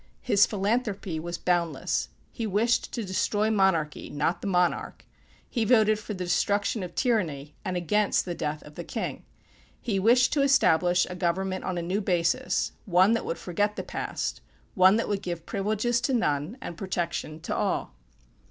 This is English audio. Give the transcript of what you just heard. His philanthrophy was boundless. He wished to destroy monarchy not the monarch. He voted for the destruction of tyranny, and against the death of the king. He wished to establish a government on a new basis; one that would forget the past; one that would give privileges to none, and protection to all.